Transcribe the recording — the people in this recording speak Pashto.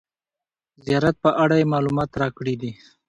زیارت په اړه یې معلومات راکړي دي.